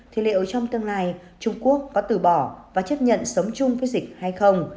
thì liệu trong tương lai trung quốc có từ bỏ và chấp nhận sống chung với dịch hay không